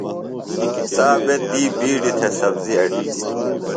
تا بہ تی بِیڈیۡ تھےۡ سبزیۡ اٹِلیۡ۔